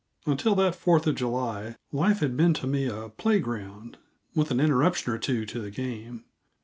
Until that Fourth of July life had been to me a playground, with an interruption or two to the game.